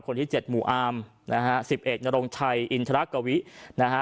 คนที่เจ็ดหมู่อาร์มนะฮะสิบเอกนรงชัยอินทรกวินะฮะ